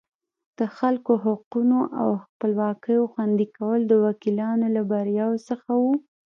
د خلکو حقوقو او خپلواکیو خوندي کول د وکیلانو له بریاوو څخه وو.